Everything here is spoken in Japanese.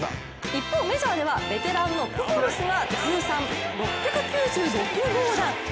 一方メジャーではベテランのプホルスが通算６９６号弾。